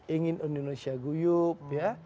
ingin indonesia guyup